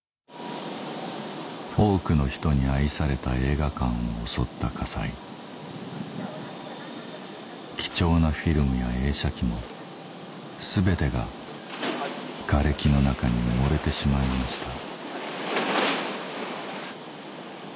多くの人に愛された映画館を襲った火災貴重なフィルムや映写機も全てががれきの中に埋もれてしまいました